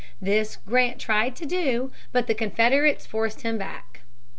This Grant tried to do. But the Confederates forced him back.